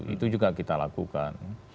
itu juga kita lakukan